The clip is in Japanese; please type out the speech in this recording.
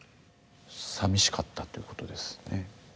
さみしかったっていうことですね？